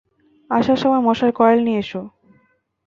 আসার সময় মশার কয়েল নিয়ে এসো।